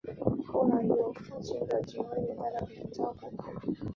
后来交由父亲的警卫员带到北京照顾。